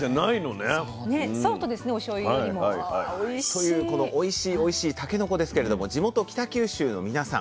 というこのおいしいおいしいたけのこですけれども地元北九州の皆さん